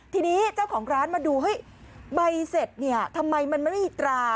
ทีนี้เจ้าของร้านมาดูเฮ้ยใบเสร็จเนี่ยทำไมมันไม่มีตรา